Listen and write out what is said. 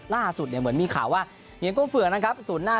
ล่าสุดเนี่ยเหมือนมีข่าวว่าเหมือนก้มฝือนะครับสูญหน้า